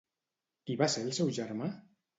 Qui va ser el seu germà?